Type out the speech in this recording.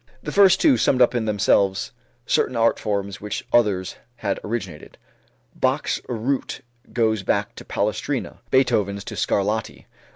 The first two summed up in themselves certain art forms which others had originated. Bach's root goes back to Palestrina, Beethoven's to Scarlatti.